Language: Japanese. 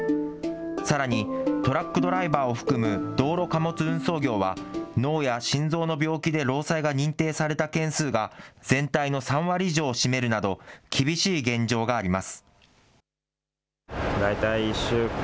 さらに、トラックドライバーを含む道路貨物運送業は、脳や心臓の病気で労災が認定された件数が、全体の３割以上を占めるなど、厳しい現状があります。